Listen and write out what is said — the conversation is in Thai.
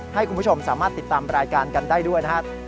ให้คุณผู้ชมสามารถติดตามรายการกันได้ด้วยนะครับ